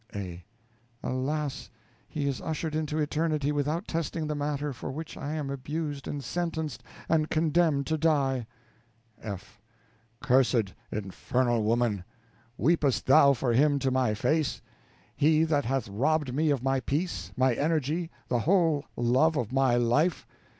A. Alas! he is ushered into eternity without testing the matter for which I am abused and sentenced and condemned to die. F. Cursed, infernal woman! Weepest thou for him to my face? He that hath robbed me of my peace, my energy, the whole love of my life?